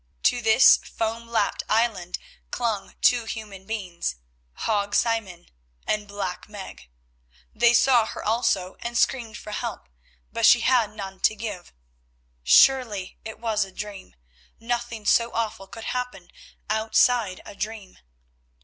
To this foam lapped island clung two human beings—Hague Simon and Black Meg. They saw her also and screamed for help, but she had none to give. Surely it was a dream—nothing so awful could happen outside a dream.